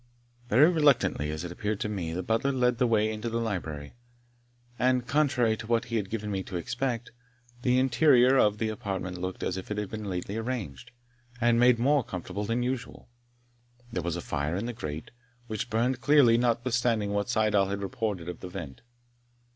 Very reluctantly as it appeared to me, the butler led the way to the library, and, contrary to what he had given me to expect, the interior of the apartment looked as if it had been lately arranged, and made more comfortable than usual. There was a fire in the grate, which burned clearly, notwithstanding what Syddall had reported of the vent.